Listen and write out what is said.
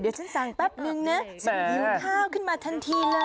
เดี๋ยวฉันสั่งแป๊บนึงนะฉันหิวข้าวขึ้นมาทันทีเลย